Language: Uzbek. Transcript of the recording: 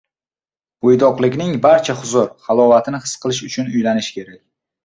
Bo‘ydoqlikning barcha huzur-halovatini his qilish uchun… uylanish kerak.